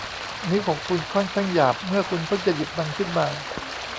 นิ้วของคุณค่อนข้างหยาบเมื่อคุณเพิ่งจะหยิบมันขึ้นมา